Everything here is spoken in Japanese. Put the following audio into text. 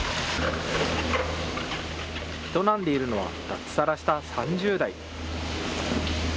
営んでいるのは脱サラした３０代。